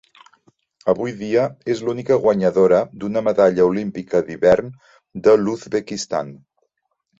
Avui dia és l'única guanyadora d'una medalla olímpica d'hivern de l'Uzbekistan.